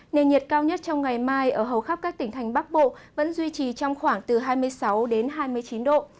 nền nhiệt cao nhất trong ngày mai ở hầu khắp các tỉnh thành bắc bộ vẫn duy trì trong khoảng từ hai mươi sáu đến hai mươi chín độ